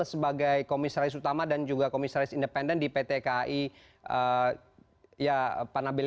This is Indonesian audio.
sebagai komisaris utama dan juga komisaris independen di pt kaila